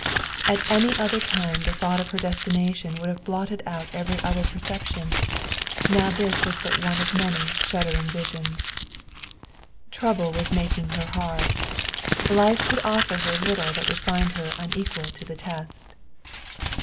At any other time the thought of her destination would have blotted out every other perception; now this was but one of many shuddering visions. Trouble was making her hard; life could offer her little that would find her unequal to the test.